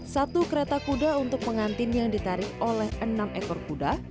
satu kereta kuda untuk pengantin yang ditarik oleh enam ekor kuda